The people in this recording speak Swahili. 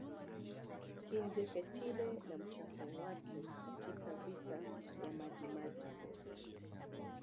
Kinjeketile na mchango wake katika Vita ya Majimaji